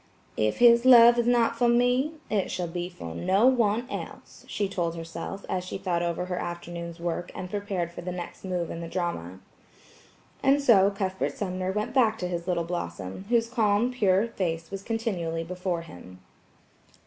"If his love is not for me, it shall be for no one else," she told herself, as she thought over her afternoon's work and prepared for the next move in the drama. And so Cuthbert Sumner went back to his little Blossom, whose calm, pure face was continually before him.